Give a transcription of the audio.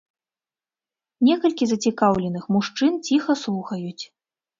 Некалькі зацікаўленых мужчын ціха слухаюць.